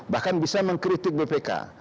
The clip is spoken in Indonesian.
bahkan bisa mengkritik bpk